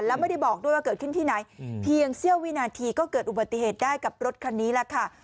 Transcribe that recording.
แล้วไม่ได้บอกด้วยว่าเกิดขึ้นที่ไหนเพียงเสี้ยววินาทีก็เกิดอุบัติเหตุได้กับรถคันนี้แหละค่ะ